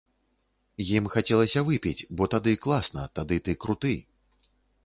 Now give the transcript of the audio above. Ім хацелася выпіць, бо тады класна, тады ты круты.